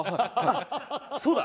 そうだ！